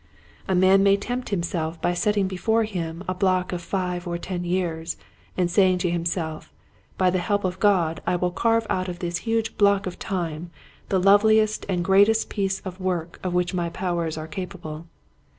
A man may tempt himself by setting before him a block of five or ten years and saying to himself, " By the help of God I will carve out of this huge block of time the loveliest and greatest piece of work of which my powers are capable."